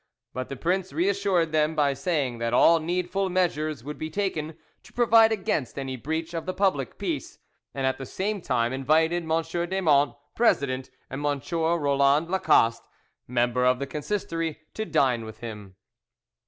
But the prince reassured them by saying that all needful measures would be taken to provide against any breach of the public peace, and at the same time invited M. Desmonts, president, and M. Roland Lacoste, member of the Consistory, to dine with him.